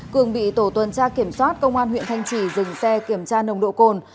cường bị tổ tuần tra kiểm soát công an huyện thanh trì dừng xe kiểm tra nồng độ cồn